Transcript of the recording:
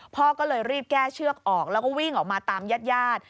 พ่อก็เลยรีบแก้เชือกออกแล้วก็วิ่งออกมาตามญาติญาติ